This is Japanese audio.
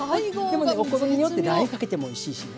でもねお好みによってラー油かけてもおいしいしね。